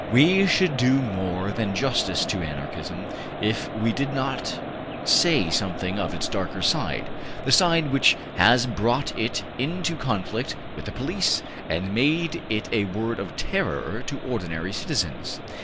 We should be doing more than justice to Anarchism if we did not say something of its darker side, the side which has brought it into conflict with the police and made it a word of terror to ordinary citizens.